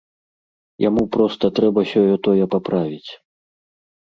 Яму проста трэба сёе-тое паправіць.